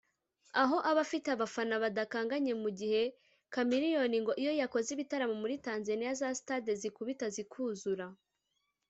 aho aba afite abafana badakanganye mu gihe Chameleone ngo iyo yakoze ibitaramo muri Tanzania za sitade zikubita zikuzura